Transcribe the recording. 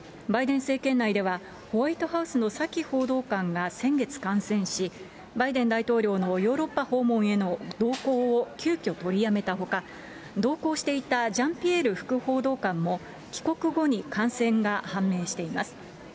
バイデン政権内では、ホワイトハウスのサキ報道官が先月感染し、バイデン大統領のヨーロッパ訪問への同行を急きょ取りやめたほか、同行していたジャンピエール副報道官も、帰国後に感染が判明しています。